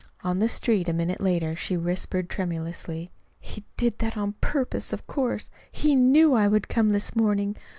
On the street a minute later she whispered tremulously: "He did it on purpose, of course. He KNEW I would come this morning!